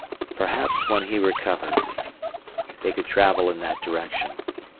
Perhaps when he recovered, they could travel in that direction.